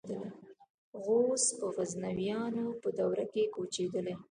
غوز په غزنویانو په دوره کې کوچېدلي.